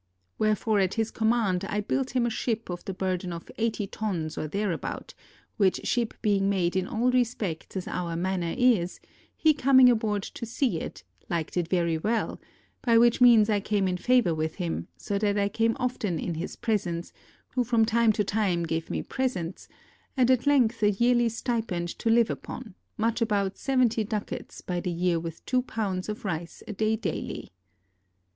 Wherefore at his command I built him a ship of the burden of eighty tons or thereabout; which ship being made in all re spects as our manner is, he coming aboard to see it, liked it very well ; by which means I came in favor with him, so that I came often in his presence, who from time to time gave me presents, and at length a yearly stipend to live upon, much about seventy ducats by the year with two pounds of rice a day daily.